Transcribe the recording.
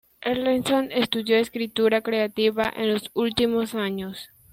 Erlandson estudió escritura creativa en los últimos años.